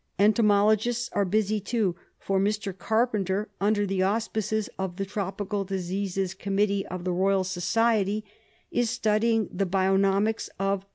Entomologists are busy, too, for Mr. Carpenter, under the auspices of the Tropical Diseases Committee of the Eoyal Society, is studying the bionomics of G.